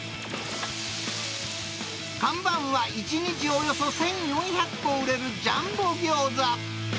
看板は１日およそ１４００個売れるジャンボギョーザ。